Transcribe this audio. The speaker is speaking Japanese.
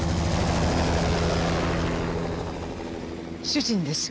主人です。